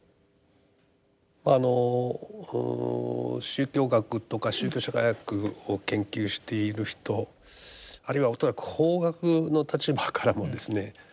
あの宗教学とか宗教社会学を研究している人あるいは恐らく法学の立場からもですね